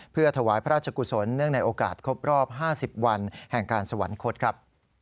เพื่อถวายพระราชกุศลเนื่องในโอกาสครบรอบ๕๐วันแห่งการสวรรคตครับ